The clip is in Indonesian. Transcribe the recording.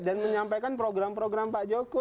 dan menyampaikan program program pak jokowi